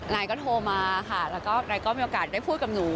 นายก็โทรมาค่ะแล้วก็นายก็มีโอกาสได้พูดกับหนู